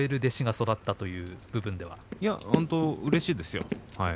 うれしいですね。